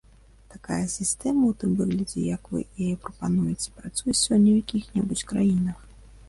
Такая сістэма ў тым выглядзе, як вы яе прапануеце, працуе сёння ў якіх-небудзь краінах?